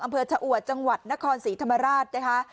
อำเภอชะอวดจังหวัดนครศรีธรรมราชนะคะ